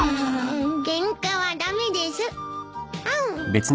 ケンカは駄目です。